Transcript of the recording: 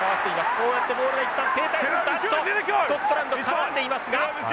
こうやってボールが一旦停滞するとあっとスコットランド絡んでいますが。